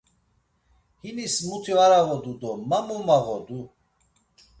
Hinis muti var ağodu do ma mo mağodu!